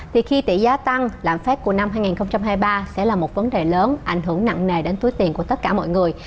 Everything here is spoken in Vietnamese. thì khi tỷ giá tăng lạm phát của năm hai nghìn hai mươi ba sẽ là một vấn đề lớn ảnh hưởng nặng nề đến túi tiền của tất cả mọi người